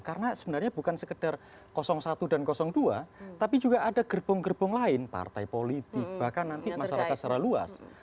karena sebenarnya bukan sekedar satu dan dua tapi juga ada gerbong gerbong lain partai politik bahkan nanti masyarakat secara luas